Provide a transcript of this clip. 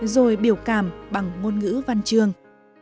rồi biểu cảm bằng ngôn ngữ văn trường